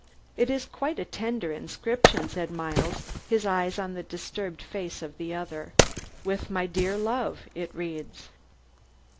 "It is quite a tender inscription," said Miles, his eyes on the disturbed face of the other. "'With my dear love,' it reads."